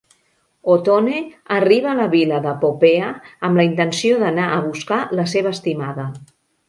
Ottone arriba a la vila de Popea amb la intenció d'anar a buscar la seva estimada.